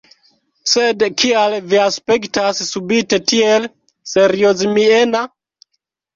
Sed kial vi aspektas subite tiel seriozmiena?